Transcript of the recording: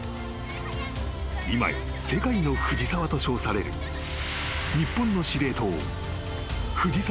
［今や世界の藤澤と称される日本の司令塔藤澤五月である］